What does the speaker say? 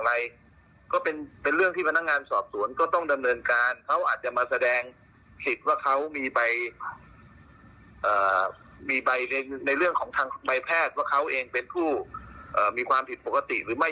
มันก็เป็นเรื่องที่เขาก็ต้องมาแสดงก็ต้องมาพิสูจน์ทราบว่าเป็นอย่างนั้นจริงหรือไม่